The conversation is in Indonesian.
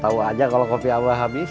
tau aja kalau kopi allah habis